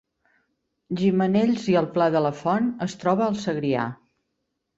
Gimenells i el Pla de la Font es troba al Segrià